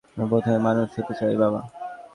আমি প্রথমে মানুষ হতে চাই, বাবা।